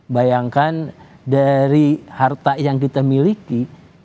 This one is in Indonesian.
bayangkan dari harta yang kita miliki